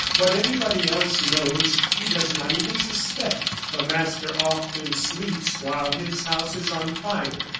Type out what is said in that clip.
What everybody else knows he does not even suspect. The master often sleeps while his house is on fire.